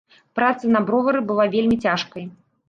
Праца на бровары была вельмі цяжкай.